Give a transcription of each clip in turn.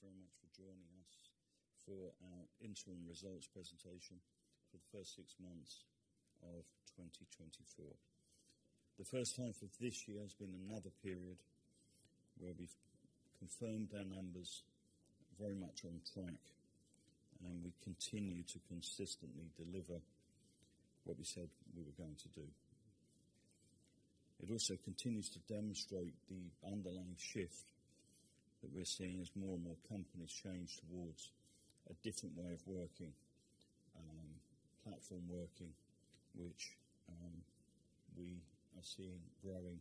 Thank you very much for joining us for our interim results presentation for the first six months of 2024. The first half of this year has been another period where we've confirmed our numbers very much on track, and we continue to consistently deliver what we said we were going to do. It also continues to demonstrate the underlying shift that we're seeing as more and more companies change towards a different way of working, platform working, which we are seeing growing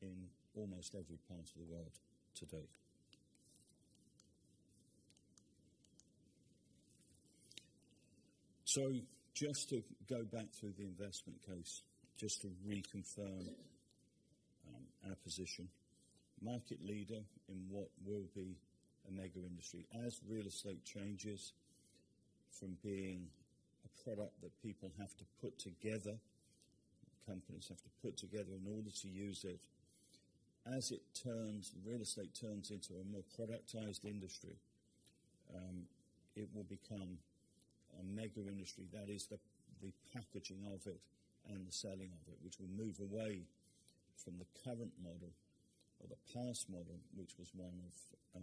in almost every part of the world today. So just to go back through the investment case, just to reconfirm our position: market leader in what will be a mega industry. As real estate changes from being a product that people have to put together, companies have to put together in order to use it, as real estate turns into a more productized industry, it will become a mega industry. That is, the packaging of it and the selling of it, which will move away from the current model or the past model, which was one of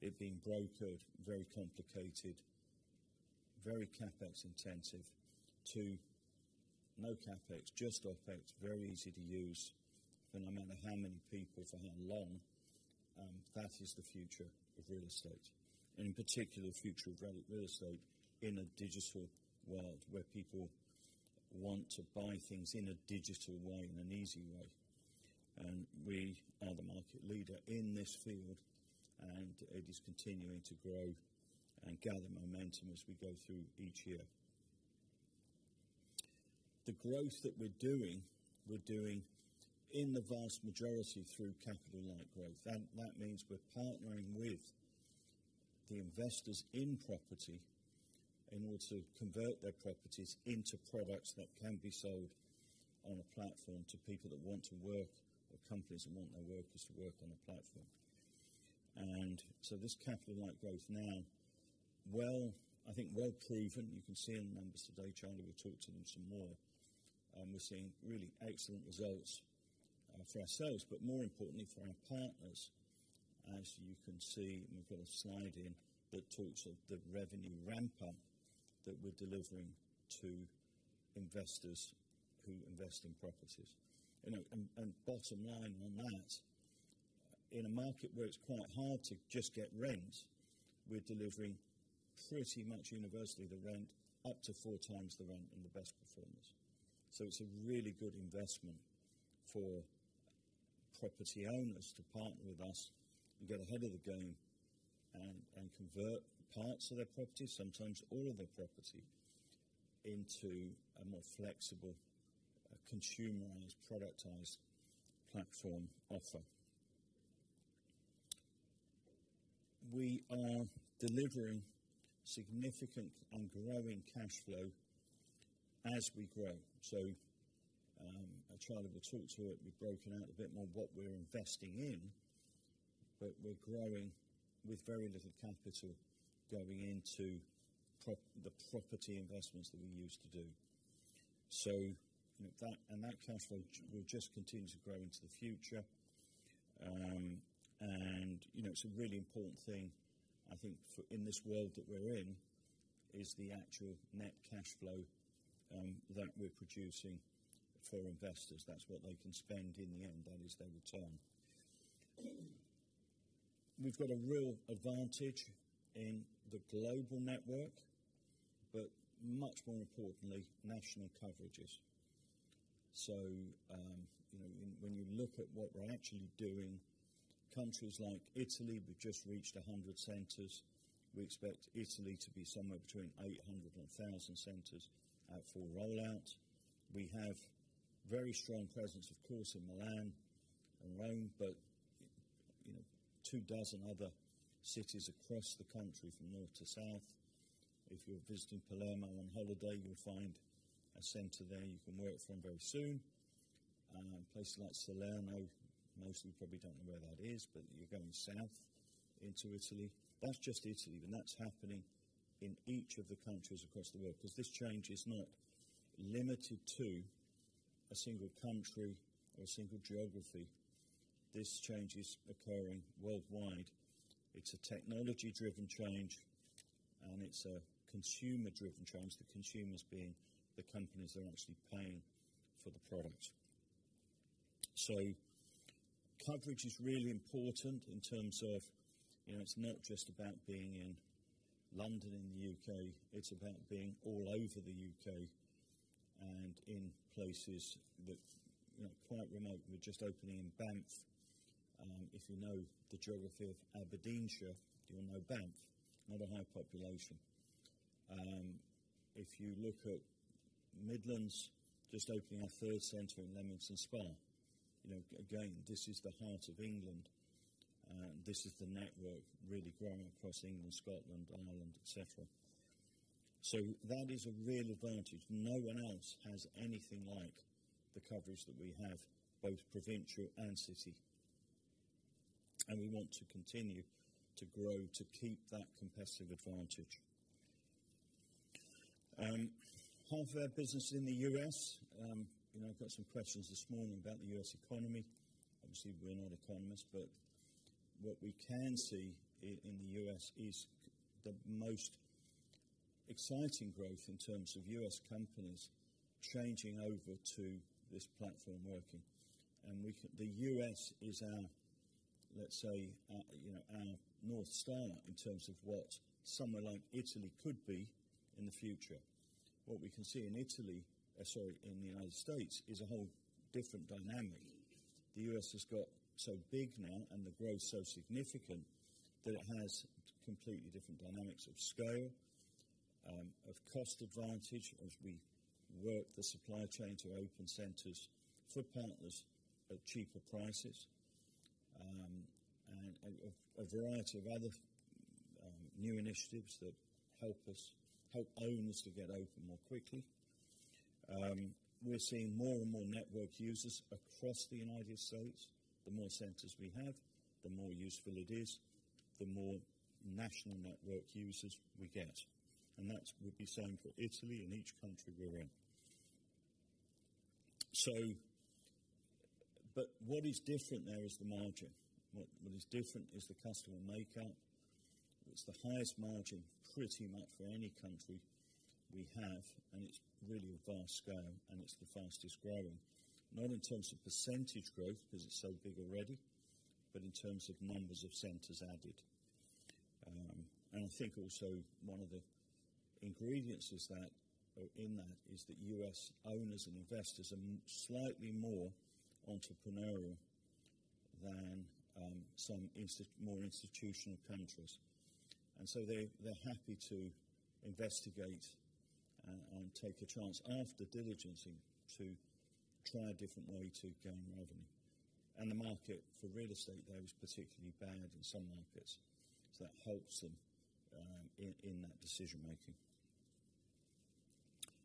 it being brokered, very complicated, very CapEx intensive, to no CapEx, just OpEx, very easy to use, and no matter how many people for how long. That is the future of real estate, and in particular, the future of real estate in a digital world where people want to buy things in a digital way, in an easy way. We are the market leader in this field, and it is continuing to grow and gather momentum as we go through each year. The growth that we're doing, we're doing in the vast majority through capital-light growth. That means we're partnering with the investors in property in order to convert their properties into products that can be sold on a platform to people that want to work, or companies that want their workers to work on a platform. And so this capital-light growth now, I think, well proven. You can see in the numbers today. Charlie, we'll talk to them some more. We're seeing really excellent results for ourselves, but more importantly, for our partners, as you can see. We've got a slide that talks of the revenue ramp-up that we're delivering to investors who invest in properties. And bottom line on that, in a market where it's quite hard to just get rent, we're delivering pretty much universally the rent, up to four times the rent in the best performers. So it's a really good investment for property owners to partner with us and get ahead of the game and convert parts of their property, sometimes all of their property, into a more flexible, consumerized, productized platform offer. We are delivering significant and growing cash flow as we grow. So Charlie will talk to it. We've broken out a bit more what we're investing in, but we're growing with very little capital going into the property investments that we used to do. And that cash flow will just continue to grow into the future. And it's a really important thing, I think, in this world that we're in, is the actual net cash flow that we're producing for investors. That's what they can spend in the end. That is their return. We've got a real advantage in the global network, but much more importantly, national coverages. So when you look at what we're actually doing, countries like Italy, we've just reached 100 centers. We expect Italy to be somewhere between 800-1,000 centers out for rollout. We have a very strong presence, of course, in Milan and Rome, but two dozen other cities across the country from north to south. If you're visiting Palermo on holiday, you'll find a center there you can work from very soon. Places like Salerno, most of you probably don't know where that is, but you're going south into Italy. That's just Italy, but that's happening in each of the countries across the world because this change is not limited to a single country or a single geography. This change is occurring worldwide. It's a technology-driven change, and it's a consumer-driven change. The consumers being the companies that are actually paying for the product. So coverage is really important in terms of it's not just about being in London in the U.K. It's about being all over the U.K. and in places that are quite remote. We're just opening in Banff. If you know the geography of Aberdeenshire, you'll know Banff, not a high population. If you look at Midlands, just opening our third center in Leamington Spa. Again, this is the heart of England, and this is the network really growing across England, Scotland, Ireland, etc. So that is a real advantage. No one else has anything like the coverage that we have, both provincial and city. And we want to continue to grow to keep that competitive advantage. Half of our business in the U.S. I've got some questions this morning about the U.S. economy. Obviously, we're not economists, but what we can see in the U.S. is the most exciting growth in terms of U.S. companies changing over to this platform working. And the U.S. is our, let's say, our North Star in terms of what somewhere like Italy could be in the future. What we can see in Italy, sorry, in the United States, is a whole different dynamic. The U.S. has got so big now and the growth so significant that it has completely different dynamics of scale, of cost advantage as we work the supply chain to open centers for partners at cheaper prices, and a variety of other new initiatives that help owners to get open more quickly. We're seeing more and more network users across the United States. The more centers we have, the more useful it is, the more national network users we get. And that would be same for Italy and each country we're in. But what is different there is the margin. What is different is the customer makeup. It's the highest margin pretty much for any country we have, and it's really a vast scale, and it's the fastest growing, not in terms of percentage growth because it's so big already, but in terms of numbers of centers added. And I think also one of the ingredients in that is that U.S. owners and investors are slightly more entrepreneurial than some more institutional countries. And so they're happy to investigate and take a chance after diligencing to try a different way to gain revenue. And the market for real estate there is particularly bad in some markets, so that helps them in that decision-making.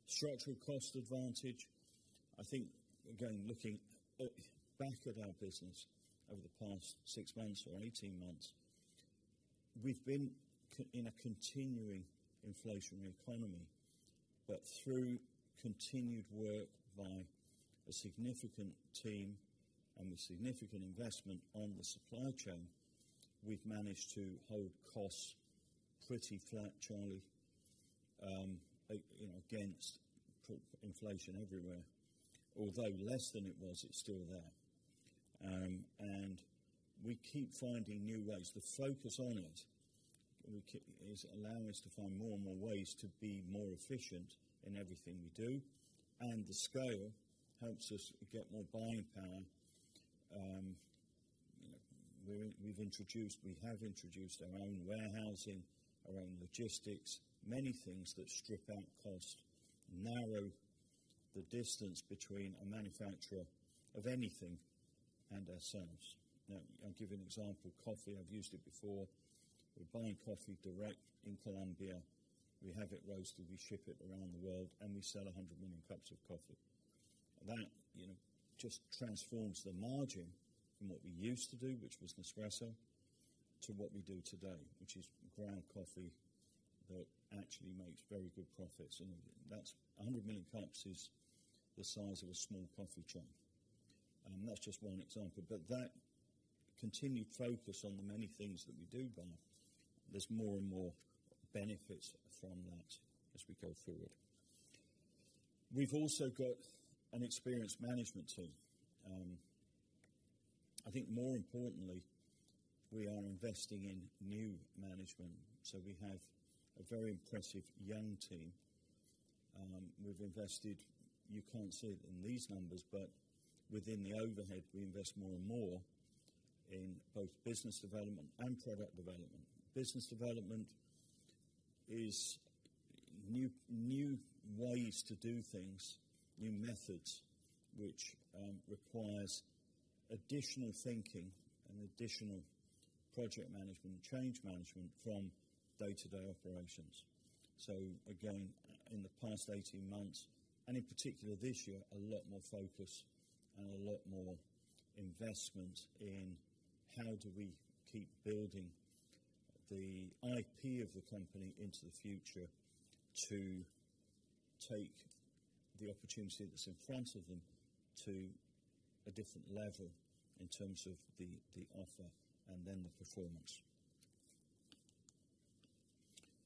Structural cost advantage. I think, again, looking back at our business over the past six months or 18 months, we've been in a continuing inflationary economy, but through continued work by a significant team and with significant investment on the supply chain, we've managed to hold costs pretty flat, Charlie, against inflation everywhere, although less than it was, it's still there. We keep finding new ways. The focus on it is allowing us to find more and more ways to be more efficient in everything we do, and the scale helps us get more buying power. We have introduced our own warehousing, our own logistics, many things that strip out cost, narrow the distance between a manufacturer of anything and ourselves. I'll give you an example: coffee. I've used it before. We buy coffee direct in Colombia. We have it roasted. We ship it around the world, and we sell 100 million cups of coffee. That just transforms the margin from what we used to do, which was Nespresso, to what we do today, which is ground coffee that actually makes very good profits. That 100 million cups is the size of a small coffee truck. That's just one example. That continued focus on the many things that we do buy. There's more and more benefits from that as we go forward. We've also got an experienced management team. I think more importantly, we are investing in new management. We have a very impressive young team. You can't see it in these numbers, but within the overhead, we invest more and more in both business development and product development. Business development is new ways to do things, new methods, which requires additional thinking and additional project management and change management from day-to-day operations. So again, in the past 18 months, and in particular this year, a lot more focus and a lot more investment in how do we keep building the IP of the company into the future to take the opportunity that's in front of them to a different level in terms of the offer and then the performance.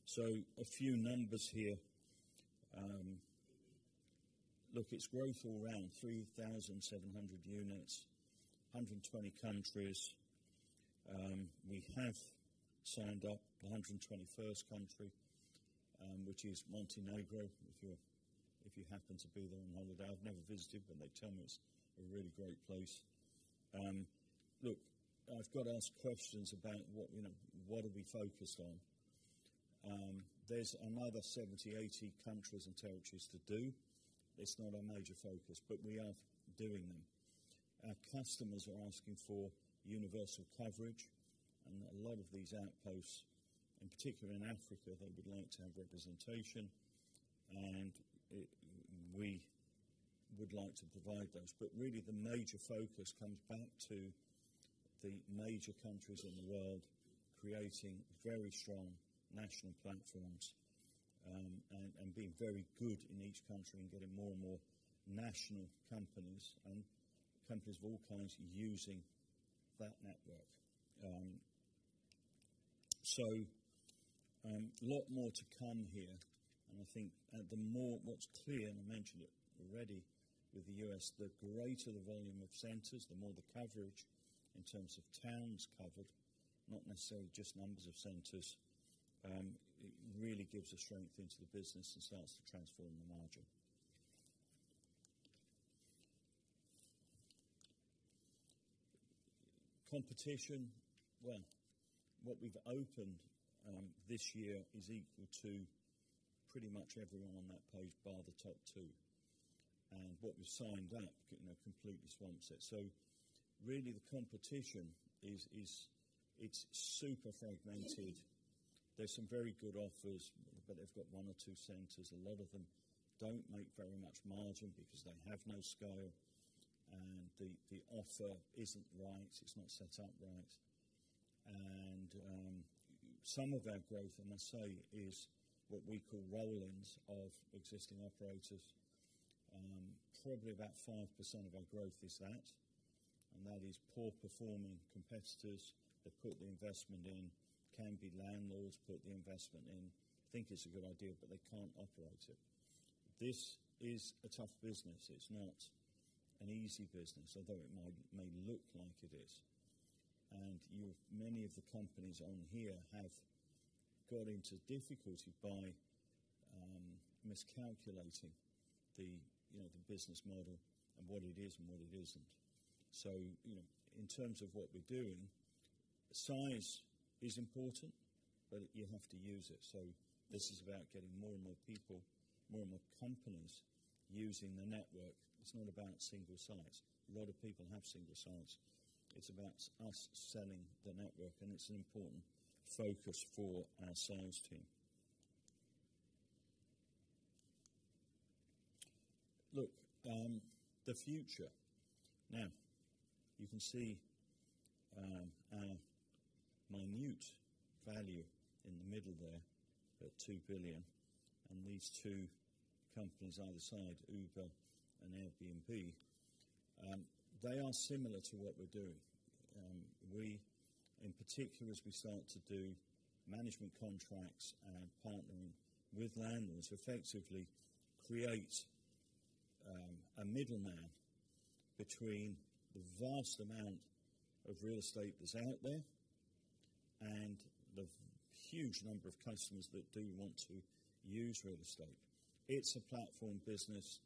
So a few numbers here. Look, it's growth all around: 3,700 units, 120 countries. We have signed up the 121st country, which is Montenegro, if you happen to be there on holiday. I've never visited, but they tell me it's a really great place. Look, I've got to ask questions about what are we focused on. There's another 70-80 countries and territories to do. It's not our major focus, but we are doing them. Our customers are asking for universal coverage, and a lot of these outposts, in particular in Africa, they would like to have representation, and we would like to provide those. But really, the major focus comes back to the major countries in the world creating very strong national platforms and being very good in each country and getting more and more national companies and companies of all kinds using that network. So a lot more to come here. And I think the more what's clear, and I mentioned it already with the U.S., the greater the volume of centers, the more the coverage in terms of towns covered, not necessarily just numbers of centers, really gives a strength into the business and starts to transform the margin. Competition. Well, what we've opened this year is equal to pretty much everyone on that page bar the top two. And what we've signed up completely swamps it. So really, the competition, it's super fragmented. There's some very good operators, but they've got one or two centers. A lot of them don't make very much margin because they have no scale, and the offering isn't right. It's not set up right. And some of our growth, I must say, is what we call roll-ins of existing operators. Probably about 5% of our growth is that. And that is poor-performing competitors that put the investment in. Can be landlords put the investment in. Think it's a good idea, but they can't operate it. This is a tough business. It's not an easy business, although it may look like it is. Many of the companies on here have got into difficulty by miscalculating the business model and what it is and what it isn't. So in terms of what we're doing, size is important, but you have to use it. So this is about getting more and more people, more and more companies using the network. It's not about single sites. A lot of people have single sites. It's about us selling the network, and it's an important focus for our sales team. Look, the future. Now, you can see our market value in the middle there, about $2 billion. And these two companies either side, Uber and Airbnb, they are similar to what we're doing. We, in particular, as we start to do management contracts and partnering with landlords, effectively create a middleman between the vast amount of real estate that's out there and the huge number of customers that do want to use real estate. It's a platform business.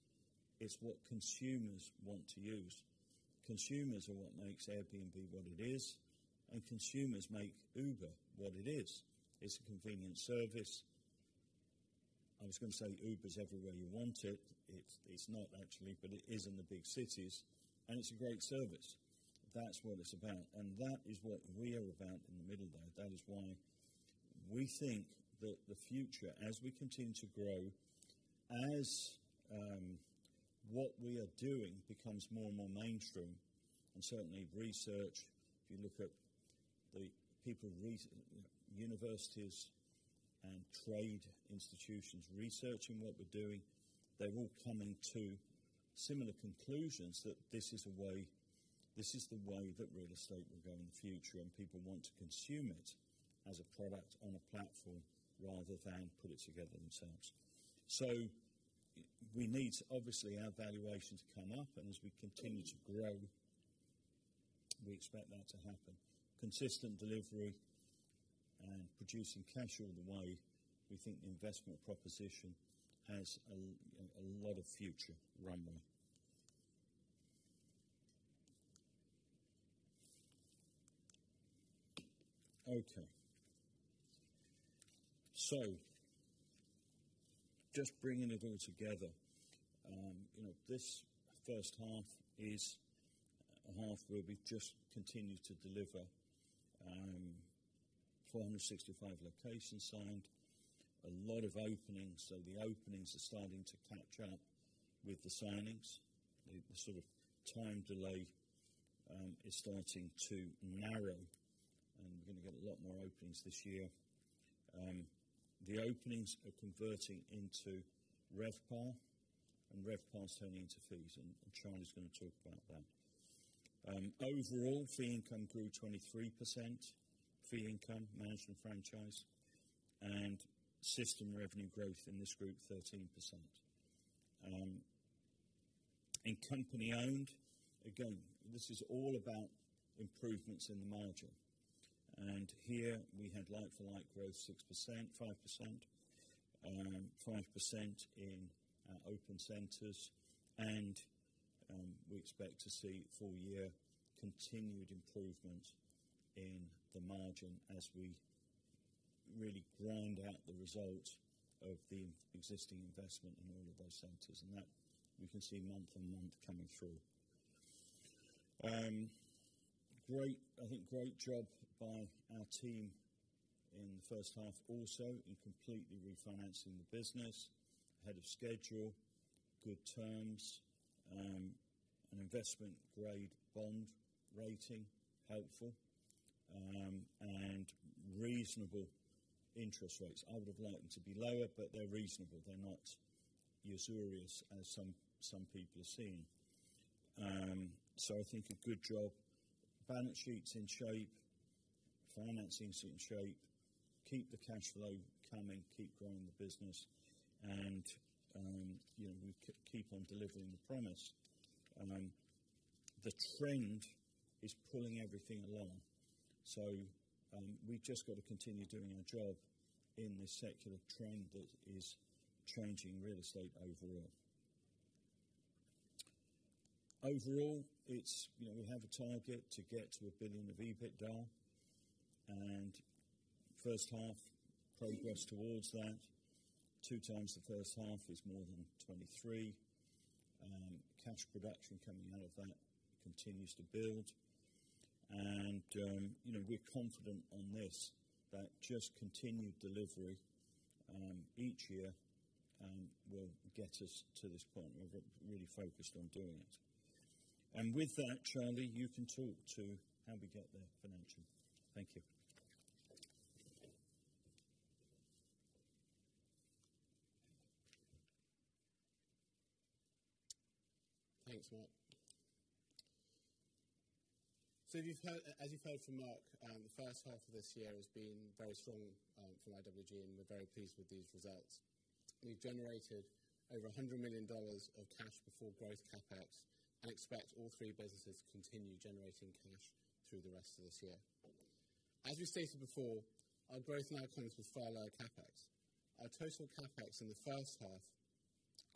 It's what consumers want to use. Consumers are what makes Airbnb what it is, and consumers make Uber what it is. It's a convenient service. I was going to say Uber's everywhere you want it. It's not actually, but it is in the big cities, and it's a great service. That's what it's about. And that is what we are about in the middle there. That is why we think that the future, as we continue to grow, as what we are doing becomes more and more mainstream. Certainly, research, if you look at the people, universities, and trade institutions researching what we're doing, they're all coming to similar conclusions that this is a way this is the way that real estate will go in the future, and people want to consume it as a product on a platform rather than put it together themselves. We need, obviously, our valuation to come up, and as we continue to grow, we expect that to happen. Consistent delivery and producing cash all the way. We think the investment proposition has a lot of future runway. Okay. Just bringing it all together. This first half will be just continuing to deliver. 465 locations signed. A lot of openings. The openings are starting to catch up with the signings. The sort of time delay is starting to narrow, and we're going to get a lot more openings this year. The openings are converting into RevPAR, and RevPAR's turning into fees, and Charlie's going to talk about that. Overall, fee income grew 23%. Fee income, management franchise, and system revenue growth in this group, 13%. In company-owned, again, this is all about improvements in the margin. Here, we had like-for-like growth, 6%, 5%, 5% in open centers, and we expect to see full-year continued improvements in the margin as we really grind out the results of the existing investment in all of those centers. And that we can see month-on-month coming through. I think great job by our team in the first half also in completely refinancing the business ahead of schedule. Good terms. An investment-grade bond rating, helpful and reasonable interest rates. I would have liked them to be lower, but they're reasonable. They're not usurious as some people are seeing. So I think a good job. Balance sheet's in shape. Financing's in shape. Keep the cash flow coming. Keep growing the business. And we keep on delivering the promise. The trend is pulling everything along. So we've just got to continue doing our job in this secular trend that is changing real estate overall. Overall, we have a target to get to $1 billion of EBITDA and first half progress towards that. Two times the first half is more than $23. Cash production coming out of that continues to build. And we're confident on this that just continued delivery each year will get us to this point. We've really focused on doing it. And with that, Charlie, you can talk to how we get there financially. Thank you. Thanks, Mark. As you've heard from Mark, the first half of this year has been very strong from IWG, and we're very pleased with these results. We've generated over $100 million of cash before growth CapEx and expect all three businesses to continue generating cash through the rest of this year. As we stated before, our growth now comes with far lower CapEx. Our total CapEx in the first half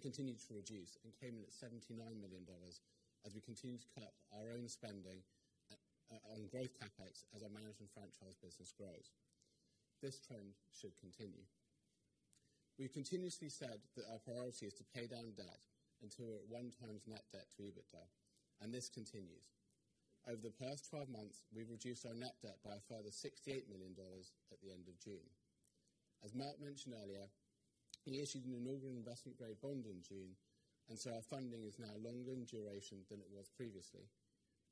continued to reduce and came in at $79 million as we continue to cut our own spending on growth CapEx as our management franchise business grows. This trend should continue. We've continuously said that our priority is to pay down debt until we're at one times net debt to EBITDA, and this continues. Over the past 12 months, we've reduced our net debt by a further $68 million at the end of June. As Mark mentioned earlier, he issued an inaugural investment-grade bond in June, and so our funding is now longer in duration than it was previously,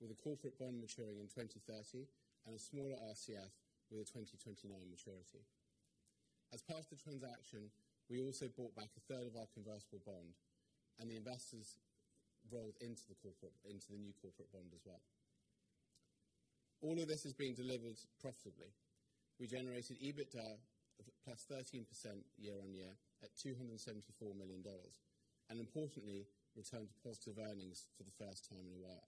with a corporate bond maturing in 2030 and a smaller RCF with a 2029 maturity. As part of the transaction, we also bought back a third of our convertible bond, and the investors rolled into the new corporate bond as well. All of this is being delivered profitably. We generated EBITDA of +13% year-over-year at $274 million and, importantly, returned to positive earnings for the first time in a while.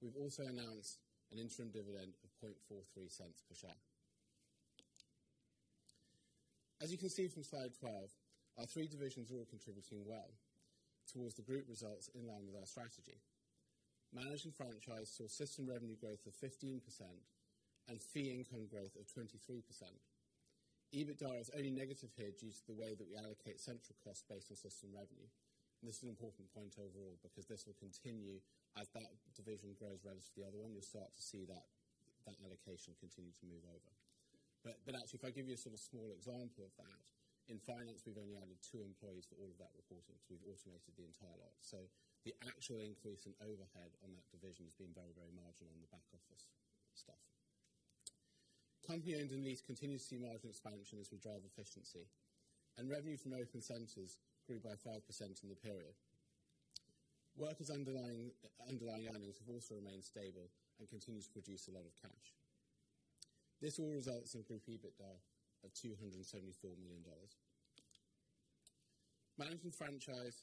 We've also announced an interim dividend of $0.0043 per share. As you can see from slide 12, our three divisions are all contributing well towards the group results in line with our strategy. Management franchise saw system revenue growth of 15% and fee income growth of 23%. EBITDA is only negative here due to the way that we allocate central costs based on system revenue. This is an important point overall because this will continue as that division grows relative to the other one. You'll start to see that allocation continue to move over. Actually, if I give you a sort of small example of that, in finance, we've only added two employees for all of that reporting, so we've automated the entire lot. The actual increase in overhead on that division has been very, very marginal on the back-office stuff. Company-owned and leased continue to see margin expansion as we drive efficiency, and revenue from open centers grew by 5% in the period. Worka underlying earnings have also remained stable and continue to produce a lot of cash. This all results in group EBITDA of $274 million. Management franchise,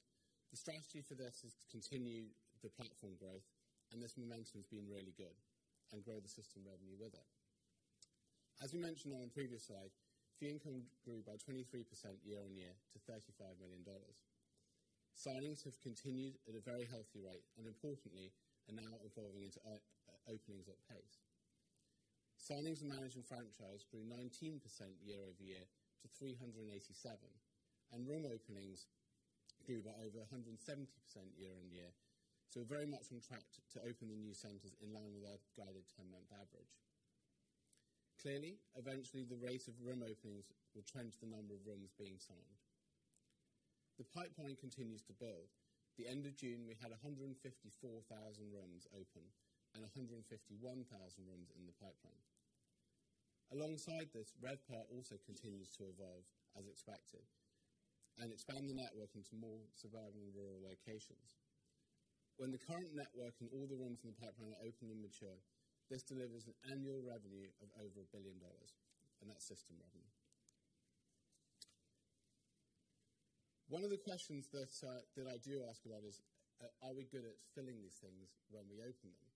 the strategy for this is to continue the platform growth, and this momentum has been really good, and grow the system revenue with it. As we mentioned on the previous slide, fee income grew by 23% year-over-year to $35 million. Signings have continued at a very healthy rate and, importantly, are now evolving into openings at pace. Signings and management franchise grew 19% year-over-year to 387, and room openings grew by over 170% year-over-year. So, we're very much on track to open the new centers in line with our guided 10-month average. Clearly, eventually, the rate of room openings will trend to the number of rooms being signed. The pipeline continues to build. The end of June, we had 154,000 rooms open and 151,000 rooms in the pipeline. Alongside this, RevPAR also continues to evolve, as expected, and expand the network into more suburban and rural locations. When the current network and all the rooms in the pipeline are open and mature, this delivers an annual revenue of over $1 billion, and that's system revenue. One of the questions that I do ask a lot is, are we good at filling these things when we open them?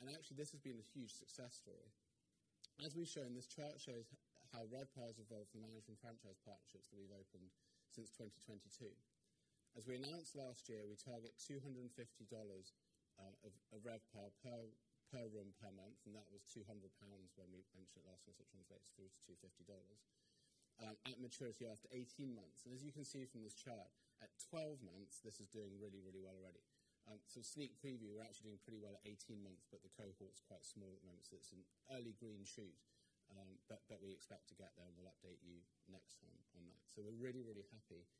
And actually, this has been a huge success story. As we've shown, this chart shows how RevPAR has evolved the management franchise partnerships that we've opened since 2022. As we announced last year, we target $250 of RevPAR per room per month, and that was 200 pounds when we mentioned it last month, so it translates through to $250 at maturity after 18 months. And as you can see from this chart, at 12 months, this is doing really, really well already. So, a sneak preview, we're actually doing pretty well at 18 months, but the cohort's quite small at the moment. So it's an early green shoot, but we expect to get there, and we'll update you next time on that. So, we're really, really happy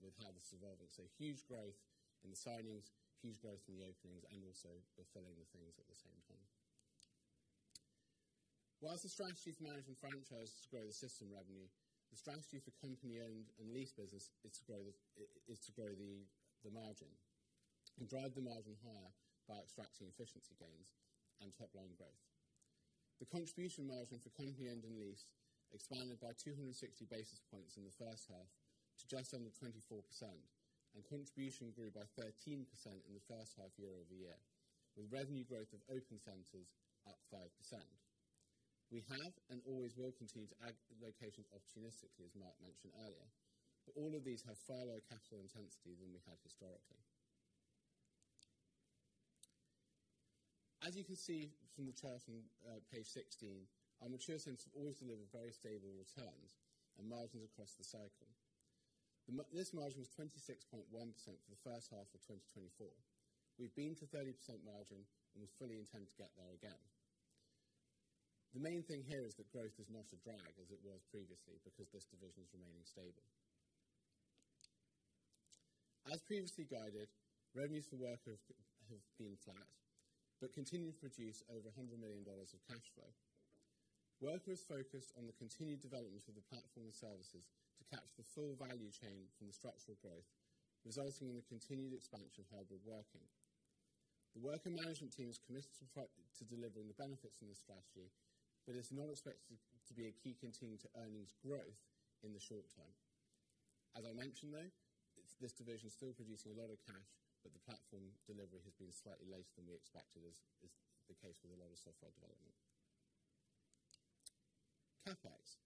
with how this is evolving. So huge growth in the signings, huge growth in the openings, and also, we're filling the things at the same time. Whilst the strategy for management franchise is to grow the system revenue, the strategy for company-owned and leased business is to grow the margin and drive the margin higher by extracting efficiency gains and top-line growth. The contribution margin for company-owned and leased expanded by 260 basis points in the first half to just under 24%, and contribution grew by 13% in the first half, year-over-year, with revenue growth of open centers up 5%. We have and always will continue to add locations opportunistically, as Mark mentioned earlier, but all of these have far lower capital intensity than we had historically. As you can see from the chart on page 16, our mature centers have always delivered very stable returns and margins across the cycle. This margin was 26.1% for the first half of 2024. We've been to 30% margin and we fully intend to get there again. The main thing here is that growth is not a drag as it was previously because this division is remaining stable. As previously guided, revenues for Worka have been flat but continue to produce over $100 million of cash flow. Worka focused on the continued development of the platform and services to capture the full value chain from the structural growth, resulting in the continued expansion of hybrid working. The Worka management team is committed to delivering the benefits in this strategy, but it's not expected to be a key contributor to earnings growth in the short term. As I mentioned, though, this division is still producing a lot of cash, but the platform delivery has been slightly later than we expected, as is the case with a lot of software development. CapEx.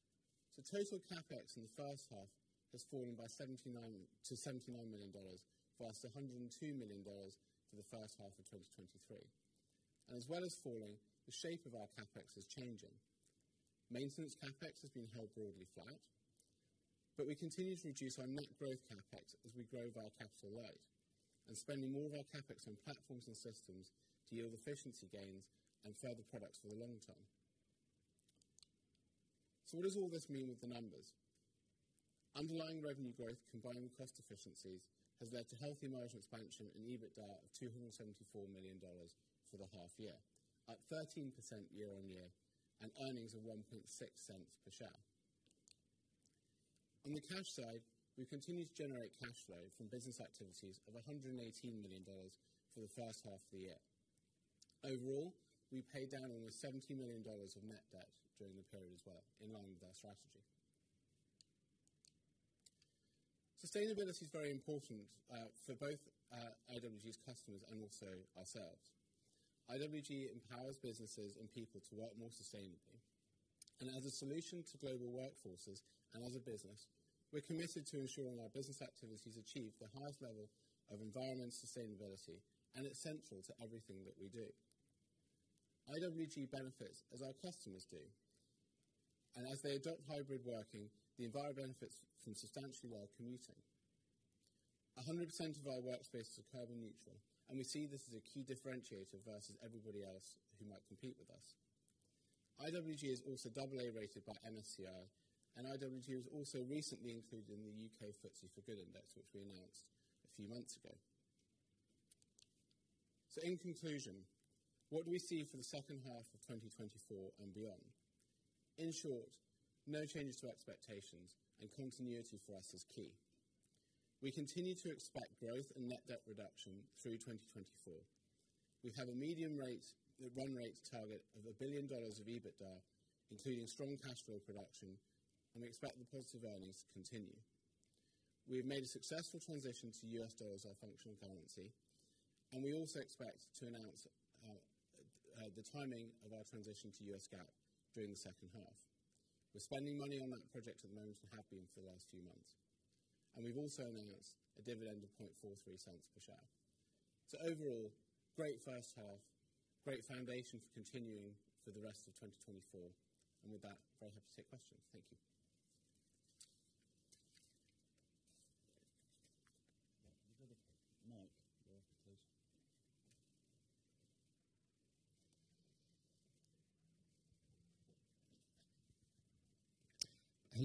So total CapEx in the first half has fallen by $79 million to $79 million, while $102 million for the first half of 2023. As well as falling, the shape of our CapEx is changing. Maintenance CapEx has been held broadly flat, but we continue to reduce our net growth CapEx as we grow our capital-light and spending more of our CapEx on platforms and systems to yield efficiency gains and further products for the long term. So, what does all this mean with the numbers? Underlying revenue growth combined with cost efficiencies has led to healthy margin expansion and EBITDA of $274 million for the half year at 13% year-on-year and earnings of $0.016 per share. On the cash side, we continue to generate cash flow from business activities of $118 million for the first half of the year. Overall, we paid down almost $70 million of net debt during the period as well in line with our strategy. Sustainability is very important for both IWG's customers and also ourselves. IWG empowers businesses and people to work more sustainably. As a solution to global workforces and as a business, we're committed to ensuring our business activities achieve the highest level of environmental sustainability, and it's central to everything that we do. IWG benefits as our customers do, and as they adopt hybrid working, the environment benefits from substantially while commuting. 100% of our workspace is carbon neutral, and we see this as a key differentiator versus everybody else who might compete with us. IWG is also AA rated by MSCI, and IWG was also recently included in the UK FTSE4Good index, which we announced a few months ago. So in conclusion, what do we see for the second half of 2024 and beyond? In short, no changes to expectations and continuity for us is key. We continue to expect growth and net debt reduction through 2024. We have a medium-rate run rate target of $1 billion of EBITDA, including strong cash flow production, and we expect the positive earnings to continue. We have made a successful transition to US dollars as our functional currency, and we also expect to announce the timing of our transition to US GAAP during the second half. We're spending money on that project at the moment and have been for the last few months. And we've also announced a dividend of $0.0043 per share. So overall, great first half, great foundation for continuing for the rest of 2024. And with that, I'll have to take questions. Thank you.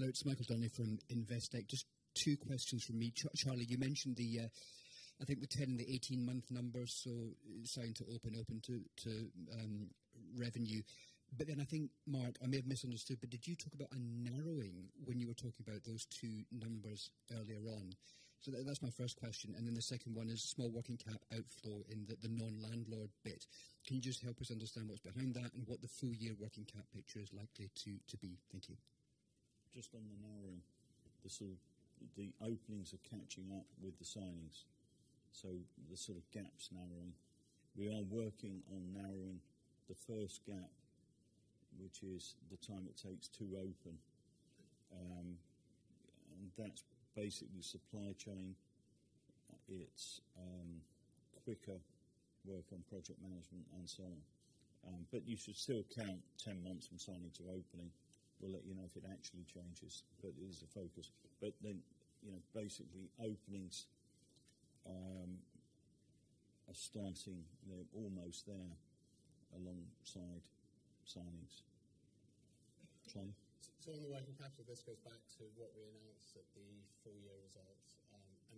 You got the mic there, please. Hello, it's Michael Donnelly from Investec. Just two questions from me. Charlie, you mentioned the, I think, the 10 and the 18-month numbers, so starting to open up into revenue. But then I think, Mark, I may have misunderstood, but did you talk about a narrowing when you were talking about those two numbers earlier on? So that's my first question. And then the second one is small working cap outflow in the non-landlord bit. Can you just help us understand what's behind that and what the full-year working cap picture is likely to be? Thank you. Just on the narrowing, the openings are catching up with the signings, so the sort of gap's narrowing. We are working on narrowing the first gap, which is the time it takes to open. That's basically supply chain. It's quicker work on project management and so on. You should still count 10 months from signing to opening. We'll let you know if it actually changes, but it is a focus. Then basically, openings are starting. They're almost there alongside signings. The working capital of this goes back to what we announced at the full-year results.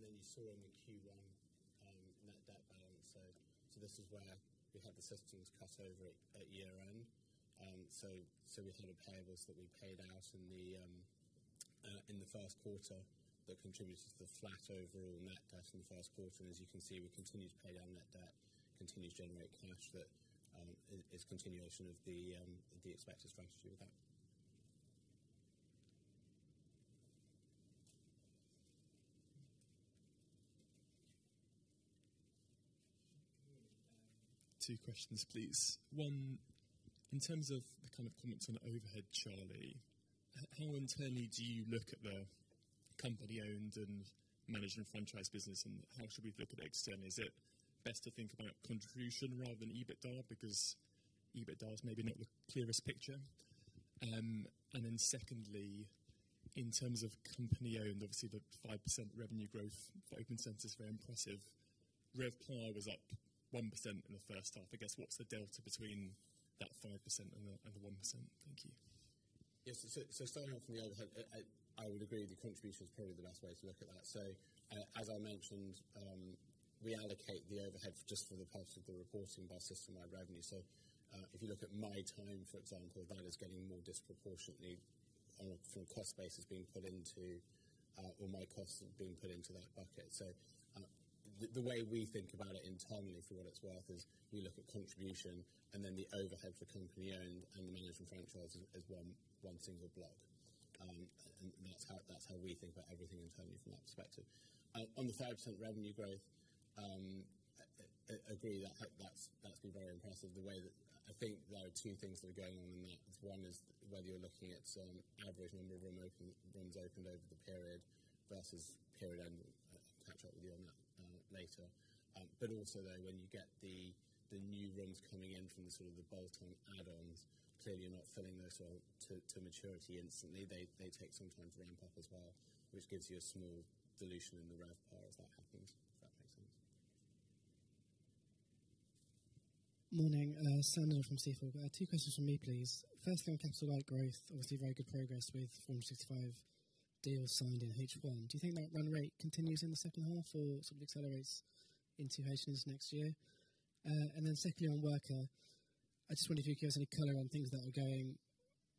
Then you saw in the Q1 net debt balance. This is where we had the systems cut over at year-end. So we had a payable that we paid out in the first quarter that contributed to the flat overall net debt in the first quarter. As you can see, we continue to pay down net debt, continue to generate cash. That is continuation of the expected strategy with that. Two questions, please. One, in terms of the kind of comments on overhead, Charlie, how internally do you look at the company-owned and management franchise business, and how should we look at externally? Is it best to think about contribution rather than EBITDA because EBITDA is maybe not the clearest picture? And then secondly, in terms of company-owned, obviously the 5% revenue growth for open centers is very impressive. RevPAR was up 1% in the first half. I guess what's the delta between that 5% and the 1%? Thank you. Yes. So, starting off from the overhead, I would agree the contribution is probably the best way to look at that. So, as I mentioned, we allocate the overhead just for the purpose of the reporting by system-wide revenue. So, if you look at my time, for example, that is getting more disproportionately from cost basis being put into or my costs being put into that bucket. So the way we think about it internally for what it's worth is we look at contribution and then the overhead for company-owned and management franchise as one single block. And that's how we think about everything internally from that perspective. On the 5% revenue growth, agree, that's been very impressive. I think there are two things that are going on in that. One is whether you're looking at average number of rooms opened over the period versus period-end. I'll catch up with you on that later. But also though, when you get the new rooms coming in from the sort of the bolt-on add-ons, clearly, you're not filling those to maturity instantly. They take some time to ramp up as well, which gives you a small dilution in the RevPAR if that happens, if that makes sense. Morning. Sam Nelson from Sea Fog. Two questions from me, please. Firstly, on capital-light growth, obviously very good progress with 65 deals signed in H1. Do you think that run rate continues in the second half or sort of accelerates into H1 next year? And then secondly, on Worka, I just wonder if you could give us any color on things that are going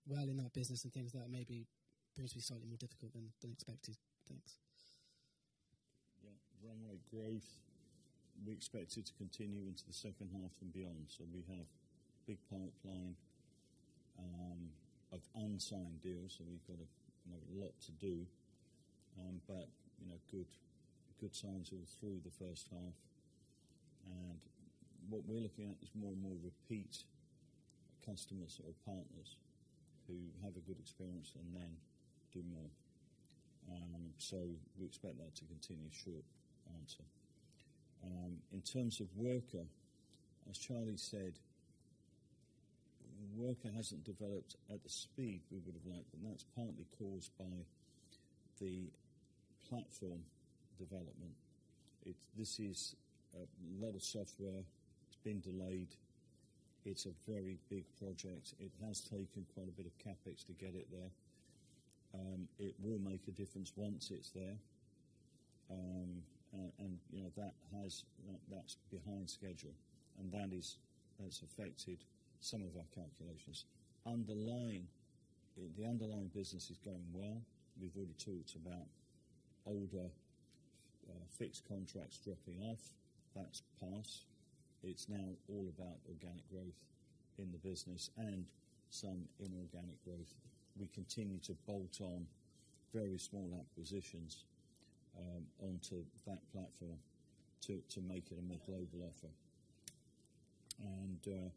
well in that business and things that maybe appear to be slightly more difficult than expected. Thanks. Yeah. Run rate growth, we expect it to continue into the second half and beyond. So, we have a big pipeline of unsigned deals, so we've got a lot to do, but good signs all through the first half. And what we're looking at is more and more repeat customers or partners who have a good experience and then do more. So, we expect that to continue short answer. In terms of Worka, as Charlie said, Worka hasn't developed at the speed we would have liked, and that's partly caused by the platform development. This is a lot of software. It's been delayed. It's a very big project. It has taken quite a bit of CapEx to get it there. It will make a difference once it's there. And that's behind schedule, and that's affected some of our calculations. The underlying business is going well. We've already talked about older fixed contracts dropping off. That's passed. It's now all about organic growth in the business and some inorganic growth. We continue to bolt on very small acquisitions onto that platform to make it a more global offer. And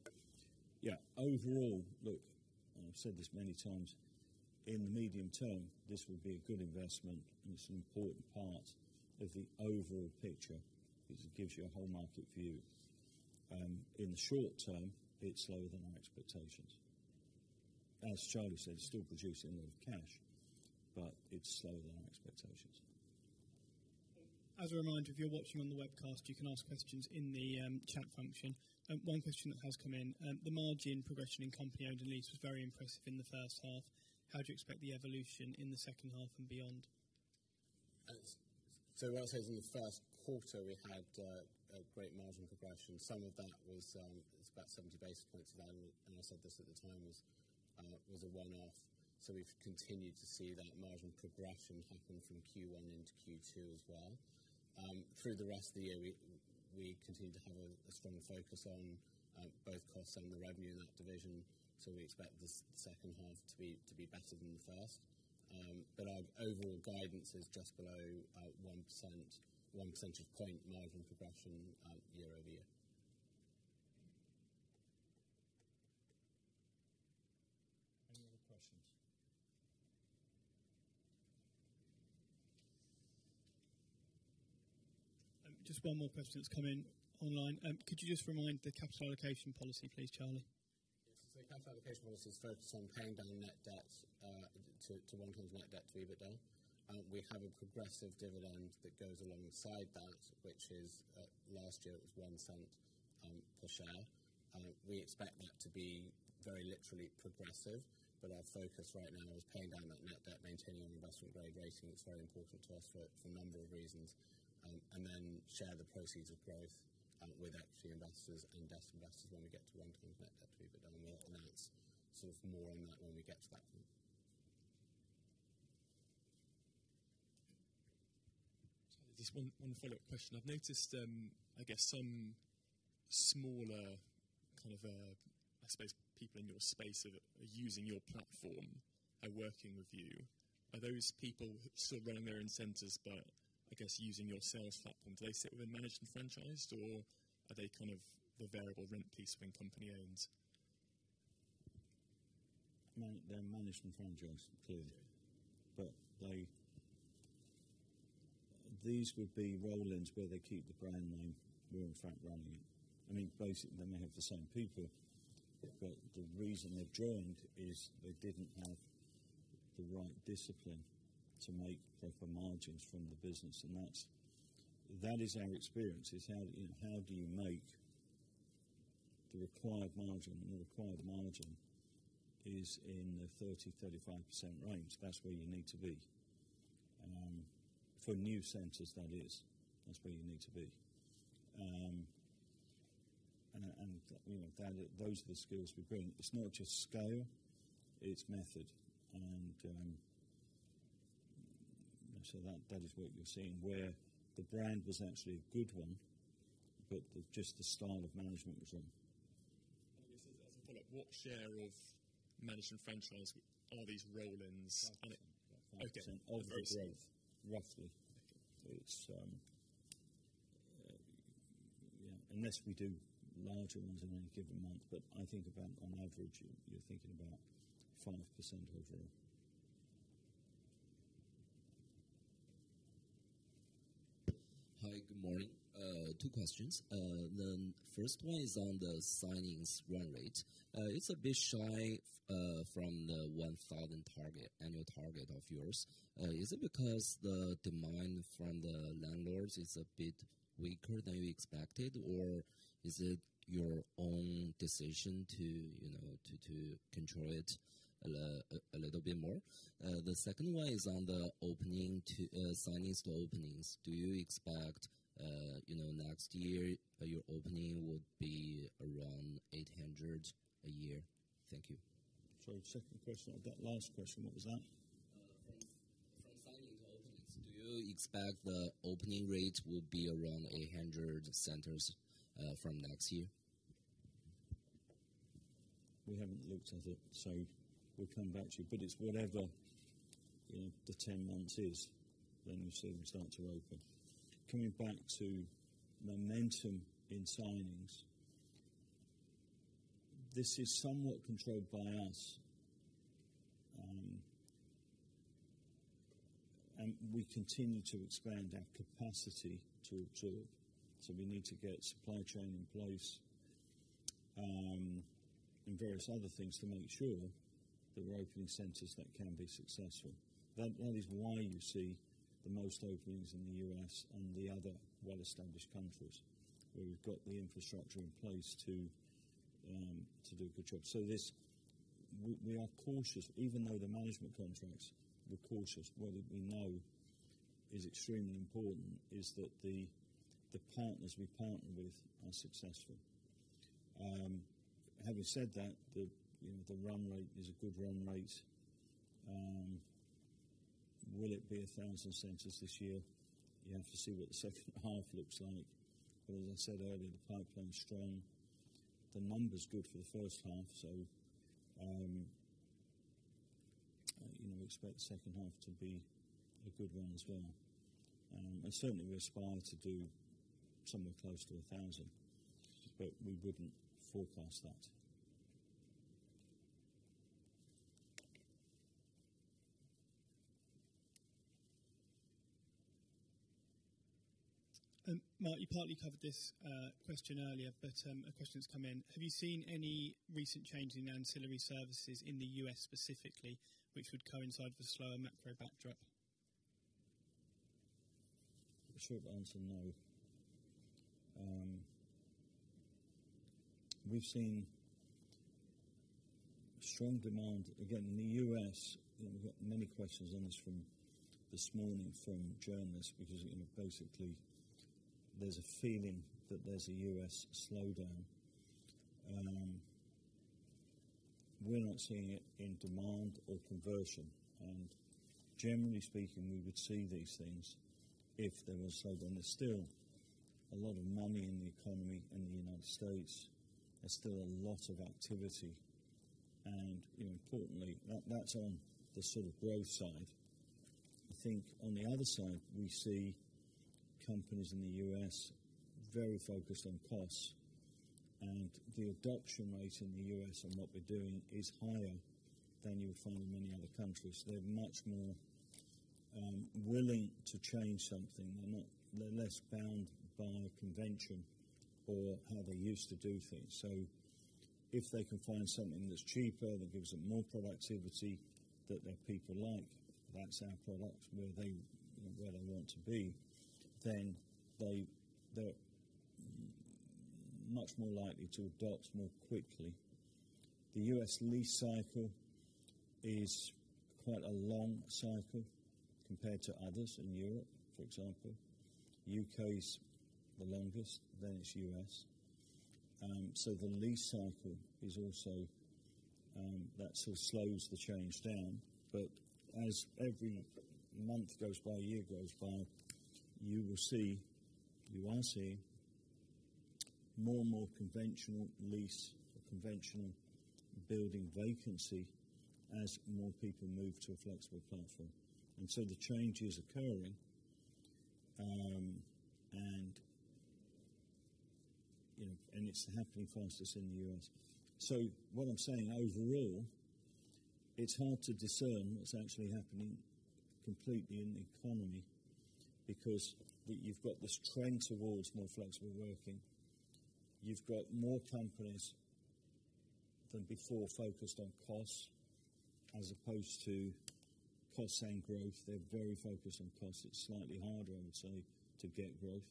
yeah, overall, look, I've said this many times, in the medium term, this will be a good investment, and it's an important part of the overall picture because it gives you a whole market view. In the short term, it's lower than our expectations. As Charlie said, it's still producing a lot of cash, but it's slower than our expectations. As a reminder, if you're watching on the webcast, you can ask questions in the chat function. One question that has come in. The margin progression in company-owned and leased was very impressive in the first half. How do you expect the evolution in the second half and beyond? So, what I'll say is in the first quarter, we had a great margin progression. Some of that was about 70 basis points. And I said this at the time was a one-off. So, we've continued to see that margin progression happens from Q1 into Q2 as well. Through the rest of the year, we continue to have a strong focus on both costs and the revenue in that division. So, we expect the second half to be better than the first. But our overall guidance is just below 1 percentage point margin progression year-over-year. Any other questions? Just one more question that's come in online. Could you just remind the capital allocation policy, please, Charlie? Yes. So the capital allocation policy is focused on paying down net debt to 1x net debt to EBITDA. We have a progressive dividend that goes alongside that, which is last year it was $0.01 per share. We expect that to be very literally progressive, but our focus right now is paying down that net debt, maintaining our investment-grade rating. It's very important to us for a number of reasons. And then share the proceeds of growth with equity investors and debt investors when we get to 1x net debt to EBITDA. And we'll announce sort of more on that when we get to that point. Just one follow-up question. I've noticed, I guess, some smaller kind of, I suppose, people in your space are using your platform, are working with you. Are those people still running their own centers, but I guess using your sales platform? Do they sit within management franchise, or are they kind of the variable rent piece within company-owned? They're management franchised, clearly. But these would be roll-ins where they keep the brand name. We're, in fact, running it. I mean, basically, they may have the same people, but the reason they've joined is they didn't have the right discipline to make proper margins from the business. And that is our experience. It's how do you make the required margin. And the required margin is in the 30%-35% range. That's where you need to be. For new centers, that is. That's where you need to be. And those are the skills we bring. It's not just scale. It's method. And so that is what you're seeing, where the brand was actually a good one, but just the style of management was wrong. I guess as a follow-up, what share of management franchise are these roll-ins? 5%. 5% of the growth, roughly. Yeah. Unless we do larger ones in any given month, but I think about on average, you're thinking about 5% overall. Hi. Good morning. Two questions. The first one is on the signings run rate. It's a bit shy from the 1,000 annual target of yours. Is it because the demand from the landlords is a bit weaker than you expected, or is it your own decision to control it a little bit more? The second one is on the signings to openings. Do you expect next year your opening would be around 800 a year? Thank you. Sorry. Second question. That last question, what was that? From signings to openings, do you expect the opening rate will be around 800 centers from next year? We haven't looked at it, so we'll come back to you. But it's whatever the 10 months is, then you see them start to open. Coming back to momentum in signings, this is somewhat controlled by us. And we continue to expand our capacity to absorb. So, we need to get supply chain in place and various other things to make sure that we're opening centers that can be successful. That is why you see the most openings in the U.S. and the other well-established countries where we've got the infrastructure in place to do a good job. So, we are cautious, even though the management contracts were cautious. What we know is extremely important is that the partners we partner with are successful. Having said that, the run rate is a good run rate. Will it be 1,000 centers this year? You have to see what the second half looks like. But as I said earlier, the pipeline is strong. The number's good for the first half, so we expect the second half to be a good one as well. And certainly, we aspire to do somewhere close to 1,000, but we wouldn't forecast that. Mark, you partly covered this question earlier, but a question that's come in. Have you seen any recent change in ancillary services in the U.S. specifically, which would coincide with a slower macro backdrop? Short answer, no. We've seen strong demand. Again, in the U.S., we've got many questions on this from this morning from journalists because basically, there's a feeling that there's a U.S. slowdown. We're not seeing it in demand or conversion. And generally speaking, we would see these things if there were slowdowns. There's still a lot of money in the economy in the United States. There's still a lot of activity. And importantly, that's on the sort of growth side. I think on the other side, we see companies in the U.S. very focused on costs. And the adoption rate in the U.S. on what they're doing is higher than you'll find in many other countries. They're much more willing to change something. They're less bound by convention or how they used to do things. So if they can find something that's cheaper, that gives them more productivity, that their people like, that's our product, where they want to be, then they're much more likely to adopt more quickly. The U.S. lease cycle is quite a long cycle compared to others in Europe, for example. U.K.'s the longest, then it's U.S. So, the lease cycle is also that sort of slows the change down. But as every month goes by, year goes by, you will see you are seeing more and more conventional lease or conventional building vacancy as more people move to a flexible platform. And so, the change is occurring, and it's happening fastest in the U.S. So, what I'm saying overall, it's hard to discern what's actually happening completely in the economy because you've got this trend towards more flexible working. You've got more companies than before focused on costs as opposed to costs and growth. They're very focused on costs. It's slightly harder, I would say, to get growth.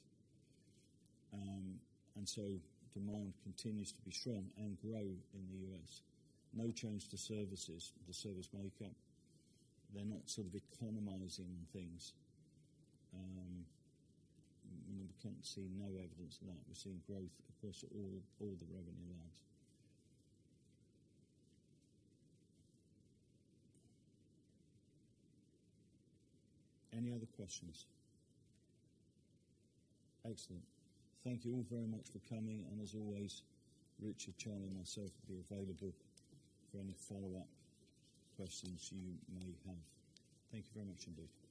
And so demand continues to be strong and grow in the U.S. No change to services, the service makeup. They're not sort of economizing on things. We can't see no evidence of that. We're seeing growth across all the revenue lines. Any other questions? Excellent. Thank you all very much for coming. And as always, Richard, Charlie, and myself will be available for any follow-up questions you may have. Thank you very much indeed.